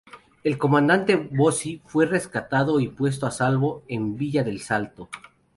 El Comandante Bossi fue rescatado y puesto a salvo en el Villa del Salto.